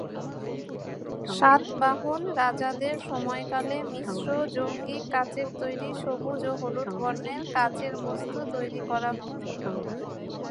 সাতবাহন রাজাদের সময়কালে মিশ্র যৌগিক কাচের তৈরী সবুজ ও হলুদ বর্ণের কাচের বস্তু তৈরী করা হত।